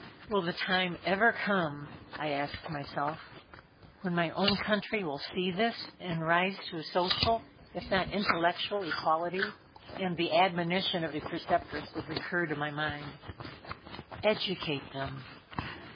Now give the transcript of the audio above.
"Will the time ever come," I asked myself, "when my own country will see this and rise to a social, if not intellectual equality." And the admonition of the Preceptress would recur to my mind: "Educate them.